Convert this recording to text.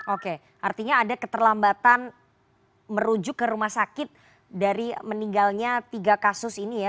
oke artinya ada keterlambatan merujuk ke rumah sakit dari meninggalnya tiga kasus ini ya